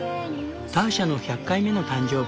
ターシャの１００回目の誕生日。